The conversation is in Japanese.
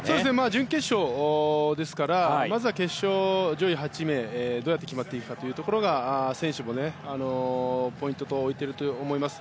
準決勝ですからまずは決勝の上位８名どうやって決まっていくかが選手もポイントに置いていると思います。